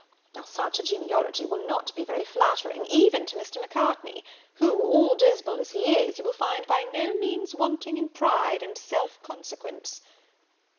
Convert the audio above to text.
Now such a genealogy will not be very flattering, even to Mr. Macartney, who, all dismal as he is, you will find by no means wanting in pride and self consequence."